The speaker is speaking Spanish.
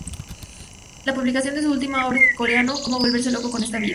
La publicación de su última obra en coreano "¿Cómo volverse loco con esta vida?